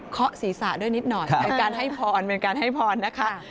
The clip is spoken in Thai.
เคาะศีรษะด้วยนิดหน่อยเป็นการให้พรนะคะ